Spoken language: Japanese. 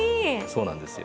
そうなんですよ。